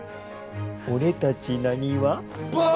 俺たちなにわ。